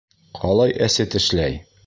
Ҡалай әсе тешләй!